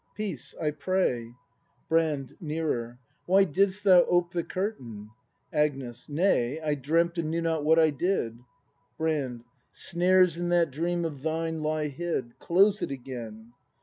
] Peace, I pray! Brand. [Nearer.] Why didst thou ope the curtain ? Agnes. Nay, I dreamt, and knew not what I did ! Brand. Snares in that dream of thine lie hid; Close it again.